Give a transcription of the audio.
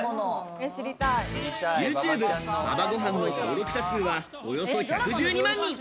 ＹｏｕＴｕｂｅ馬場ごはんの登録者数はおよそ１１２万人。